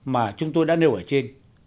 mà chúng tôi đã nêu ở trên